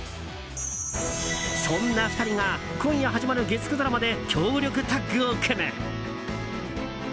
そんな２人が今夜始まる月９ドラマで強力タッグを組む。